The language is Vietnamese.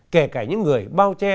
kể cả những người bao che